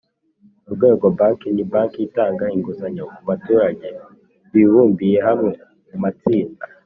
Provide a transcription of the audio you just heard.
Urwengo banki ni banki itanga inguzanyo kubaturage bibumbiye hamwe mumatsinda